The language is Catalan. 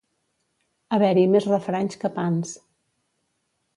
Haver-hi més refranys que pans.